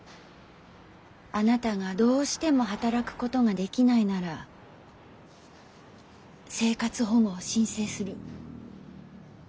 あなたがどうしても働くことができないなら生活保護を申請する。